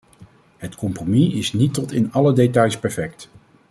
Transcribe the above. Het compromis is niet tot in alle details perfect.